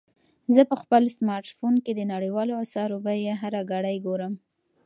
زه په خپل سمارټ فون کې د نړیوالو اسعارو بیې هره ګړۍ ګورم.